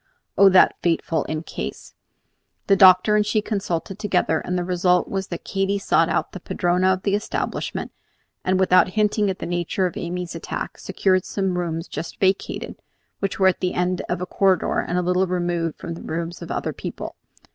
Oh, that fateful "in case"! The doctor and she consulted together, and the result was that Katy sought out the padrona of the establishment, and without hinting at the nature of Amy's attack, secured some rooms just vacated, which were at the end of a corridor, and a little removed from the rooms of other people.